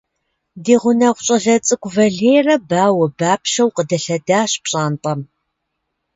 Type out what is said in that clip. Ди гъунэгъу щӀалэ цӀыкӀу Валерэ бауэбапщэу къыдэлъэдащ пщӀантӀэм.